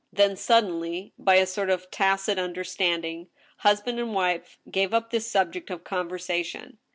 Then suddenly, by a sort of tacit understanding, husband and wife gave up this subject of conversation.